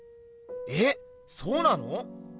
えそうなの？